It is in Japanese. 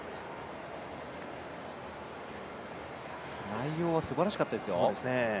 内容はすばらしかったですよ。